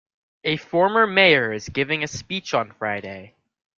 A former mayor is giving a speech on Friday.